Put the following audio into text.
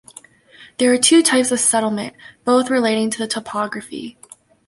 There are two types of settlement, both relating to the topography.